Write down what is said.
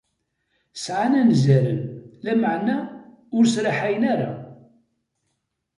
Sɛan anzaren, lameɛna ur sraḥayen ara.